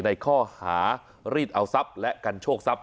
ในข้อหารีดเอาทรัพย์และกันโชคทรัพย